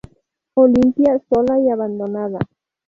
Olimpia, sola y abandonada.